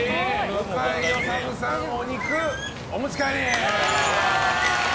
向井理さん、お肉お持ち帰り！